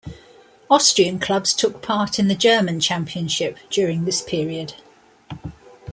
Austrian clubs took part in the German championship during this period.